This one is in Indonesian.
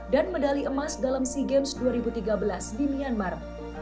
dan medali emas dalam sea games dua ribu tiga belas di myanmar